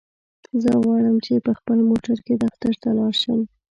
زه غواړم چی په خپل موټرکی دفترته لاړشم.